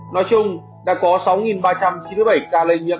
nói chung đã có sáu ba trăm chín mươi bảy ca lây nhiễm